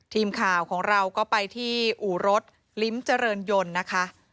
ทีมข่าวของเราก็ไปที่อู่รถลิ้มเจริญยนต์นะคะ